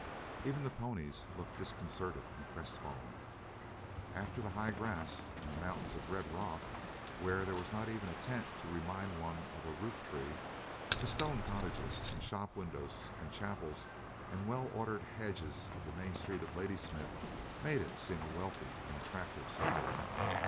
Even the ponies looked disconcerted and crestfallen. After the high grass and the mountains of red rock, where there was not even a tent to remind one of a roof tree, the stone cottages and shop windows and chapels and well ordered hedges of the main street of Ladysmith made it seem a wealthy and attractive suburb.